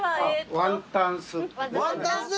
ワンタンスープ？